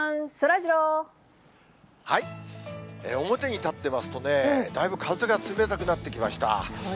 表に立ってますとね、だいぶ風が冷たくなってきました。